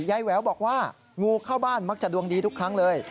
แหววบอกว่างูเข้าบ้านมักจะดวงดีทุกครั้งเลย